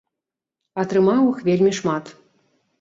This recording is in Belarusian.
Атрымаў іх вельмі шмат.